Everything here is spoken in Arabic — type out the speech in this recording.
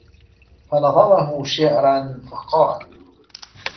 فَنَظَمَهُ شِعْرًا فَقَالَ